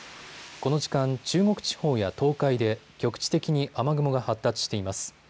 この時間、中国地方や東海で局地的に雨雲が発達しています。